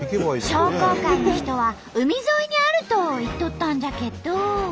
商工会の人は海沿いにあると言っとったんじゃけど。